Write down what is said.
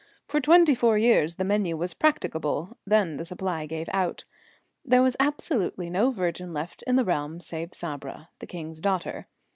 For twenty four years the menu was practicable; then the supply gave out. There was absolutely no virgin left in the realm save Sabra, the king's daughter.